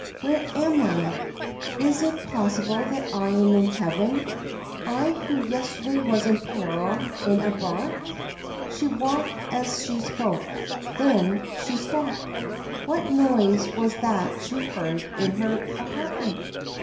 Where am I ? Is it possible that I am in heaven I who yesterday was in peril in a barque?' She walked as she spoke, then she stopped ; what noise was that she heard in her apartment